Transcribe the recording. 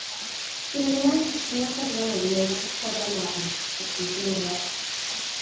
Dilyniant o straeon byrion yn ymwneud ag atgofion Mari, y prif gymeriad.